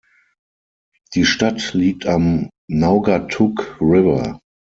Die Stadt liegt am Naugatuck River.